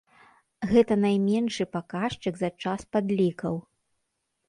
Гэта найменшы паказчык за час падлікаў.